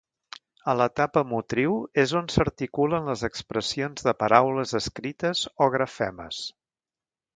A l'etapa motriu és on s'articulen les expressions de paraules escrites o grafemes.